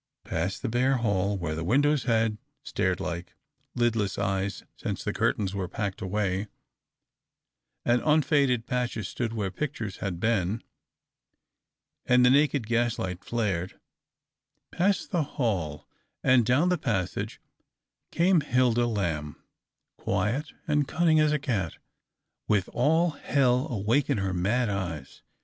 Past the bare hall, where the windows had stared like lidless eyes since the curtains were packed away, and unfaded patches stood where pictures had been, and the naked gas light flared — past the hall and down the passage came Hilda Lamb, quiet and cunning as a cat, with all hell awake in her mad eyes.